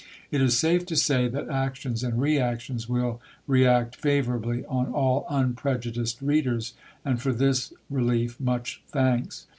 It is safe to say that Actions and Reactions will react favourably on all unprejudiced readers; and for this relief much thanks.